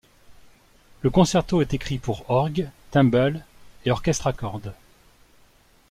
Le concerto est écrit pour orgue, timbales et orchestre à cordes.